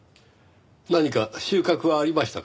何か収穫はありましたか？